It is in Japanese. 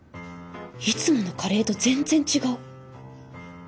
いつものカレーと全然違う。